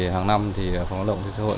hàng năm phòng lao động doanh nghiệp xã hội